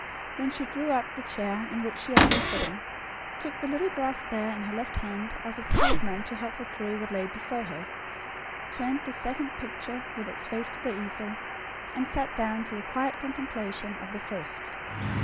Then she drew up the chair in which she had been sitting; took the little brass bear in her left hand, as a talisman to help her through what lay before her; turned the second picture with its face to the easel; and sat down to the quiet contemplation of the first.